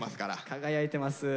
輝いてます